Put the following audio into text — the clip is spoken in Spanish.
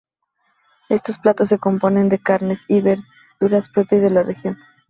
Estos platos se componen de carnes y verduras propias de la región.